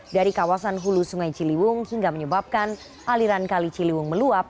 dari kawasan hulu sungai ciliwung hingga menyebabkan aliran kali ciliwung meluap